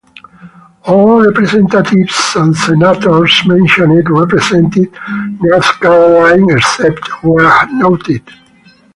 All representatives and senators mentioned represented North Carolina except where noted.